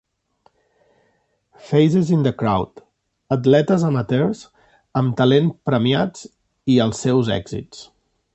"Faces in the Crowd": atletes amateurs amb talent premiats i els seus èxits.